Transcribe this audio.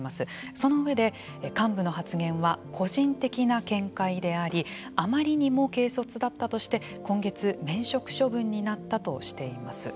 その上で幹部の発言は個人的な見解でありあまりにも軽率だったとして今月、免職処分になったとしています。